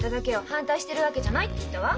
「反対してるわけじゃない」って言ったわ。